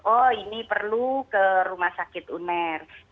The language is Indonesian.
oh ini perlu ke rumah sakit uner